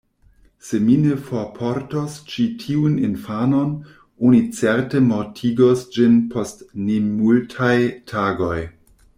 "Se mi ne forportos ĉi tiun infanon, oni certe mortigos ĝin post nemultaj tagoj.